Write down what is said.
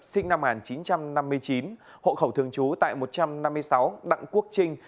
sinh năm một nghìn chín trăm năm mươi chín hộ khẩu thường trú tại một trăm năm mươi sáu đặng quốc trinh